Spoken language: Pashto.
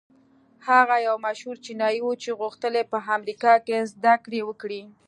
هغه يو مشهور چينايي و چې غوښتل يې په امريکا کې زدهکړې وکړي.